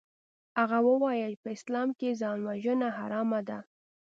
هغه وويل په اسلام کښې ځانوژنه حرامه ده.